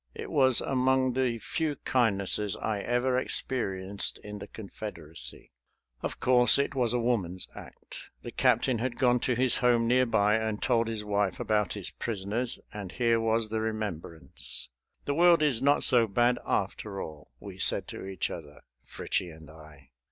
It was among the few kindnesses I ever experienced in the Confederacy. Of course it was a woman's act. The captain had gone to his home near by and told his wife about his prisoners, and here was the remembrance. The world is not so bad after all, we said to each other, Fritchie and I.